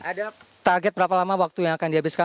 ada target berapa lama waktu yang akan dihabiskan